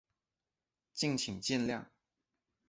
敬请见谅